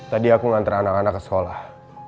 tadi aku nganter anak anak ke sekolah